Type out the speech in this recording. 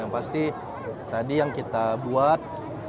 yang pasti tadi yang kita buat